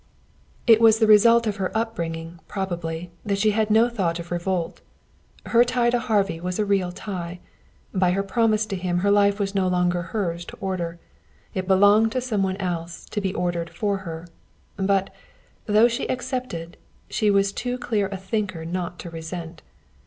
It was the result of her upbringing, probably, that she had no thought of revolt. Her tie to Harvey was a real tie. By her promise to him her life was no longer hers to order. It belonged to some one else, to be ordered for her. But, though she accepted, she was too clear a thinker not to resent.